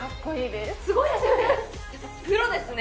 すごいですよね！